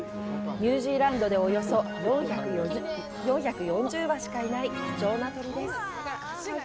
ニュージーランドでおよそ４４０羽しかいない貴重な鳥です。